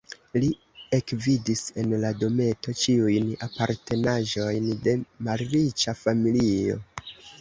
Li ekvidis en la dometo ĉiujn apartenaĵojn de malriĉa familio.